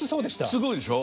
すごいでしょ。